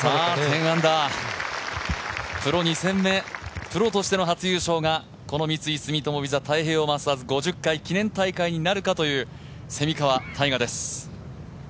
１０アンダープロ２戦目、プロとしての優勝がこの三井住友ＶＩＳＡ太平洋マスターズ５０回記念大会になるかという蝉川泰果です。